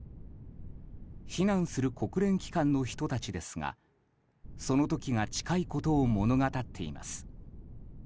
避難する国連機関の人たちですがその時が近いことを物語っています。